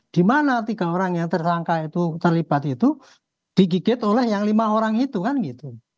di mana tiga orang yang tersangka itu terlibat itu digigit oleh yang lima orang itu kan gitu